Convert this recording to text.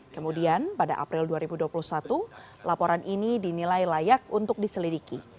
kemudian pada april dua ribu dua puluh satu laporan ini dinilai layak untuk diselidiki